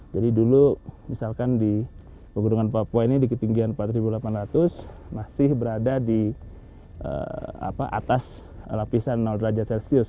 jadi dulu misalkan di pegerungan papua ini di ketinggian empat ribu delapan ratus masih berada di atas lapisan nol derajat celsius